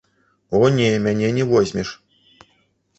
О, не, мяне не возьмеш.